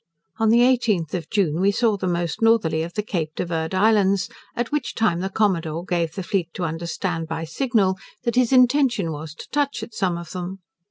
On the 18th of June we saw the most northerly of the Cape de Verd Islands, at which time the Commodore gave the fleet to understand, by signal, that his intention was to touch at some of them.